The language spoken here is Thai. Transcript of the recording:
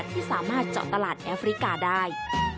ที่สามารถเจาะตลาดแอฟริกาได้